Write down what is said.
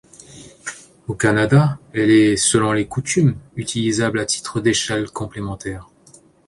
Au Canada, elle est, selon les coutumes, utilisable à titre d'échelle complémentaire.